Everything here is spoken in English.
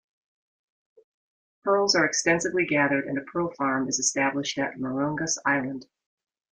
Pearls are extensively gathered and a pearl farm is established at Marungas Island.